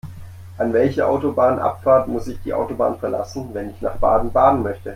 An welcher Autobahnabfahrt muss ich die Autobahn verlassen, wenn ich nach Baden-Baden möchte?